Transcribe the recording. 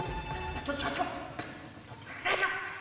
ちょっと社長取って下さいよ。え？